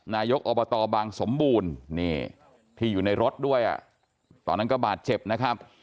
นายกอบตบางสมบูรณ์ที่อยู่ในรถด้วยตอนนั้นก็บาดเจ็บนะครับ